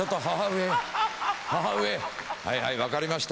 はいはい分かりました。